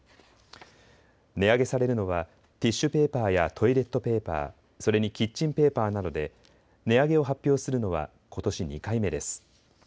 値上げされるのはティッシュペーパーやトイレットペーパー、それにキッチンペーパーなどで値上げを発表するのはことし２回目です。